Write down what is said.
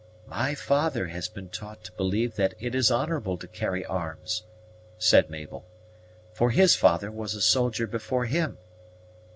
"My father has been taught to believe that it is honorable to carry arms," said Mabel, "for his father was a soldier before him."